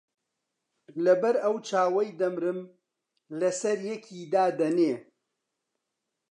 لەبەر ئەو چاوەی دەمرم لەسەر یەکی دادەنێ